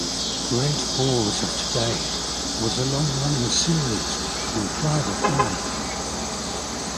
"Great Bores of Today" was a long-running series in "Private Eye".